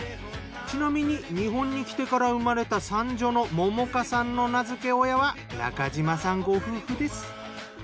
ちなみに日本に来てから生まれた三女のモモカさんの名づけ親は中嶋さんご夫婦です。